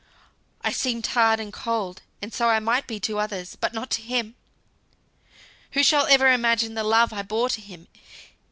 I seemed hard and cold; and so I might be to others, but not to him! who shall ever imagine the love I bore to him?